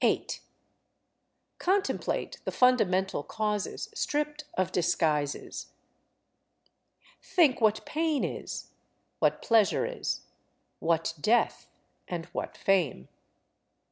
Contemplate the fundamental causes stripped of disguises. Think what pain is, what pleasure is, what death, and what fame.